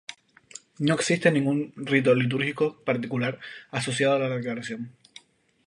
No existe ningún rito litúrgico particular asociado a la declaración.